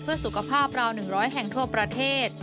เพื่อสุขภาพราว๑๐๐แห่งทั่วประเทศ